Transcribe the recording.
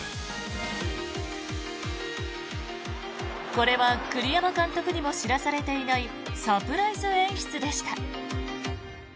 これは栗山監督にも知らされていないサプライズ演出でした。